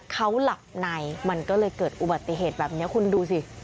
เขาหลับในมันก็เลยเกิดอุบัติเหตุแบบนี้คุณดูสิ